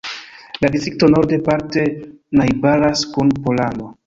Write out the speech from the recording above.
La distrikto norde parte najbaras kun Pollando.